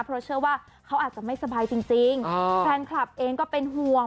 เพราะเชื่อว่าเขาอาจจะไม่สบายจริงแฟนคลับเองก็เป็นห่วง